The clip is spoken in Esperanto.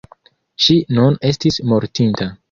Ŝi nun estis mortinta.